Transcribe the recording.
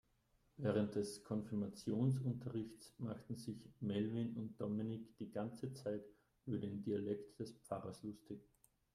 Während des Konfirmationsunterrichts machten sich Melvin und Dominik die ganze Zeit über den Dialekt des Pfarrers lustig.